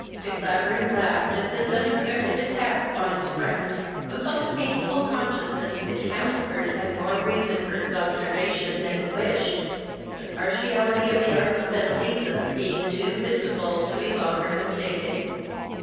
De Clavering laughed at this unexpected attack upon his friend, who felt a painful consciousness that Camelford had more reason for his observation that he wished, the partiality of the artless Edeliza being too visible to be longer mistaken.